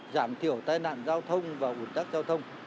giảm thiểu tai nạn giao thông và ủn tắc giao thông